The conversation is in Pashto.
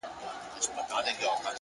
علم د انسان فکر ژوروي.!